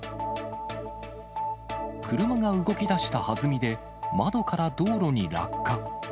車が動き出したはずみで窓から道路に落下。